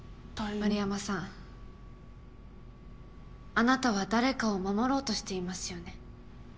円山さんあなたは誰かを守ろうとしていますよね。